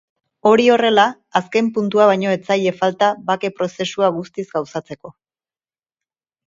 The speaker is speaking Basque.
Hori horrela, azken puntua baino ez zaie falta bake-prozesua guztiz gauzatzeko.